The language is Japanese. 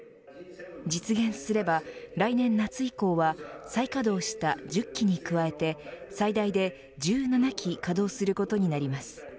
実現すれば、来年夏以降は再稼働した１０基に加えて最大で１７基稼働することになります。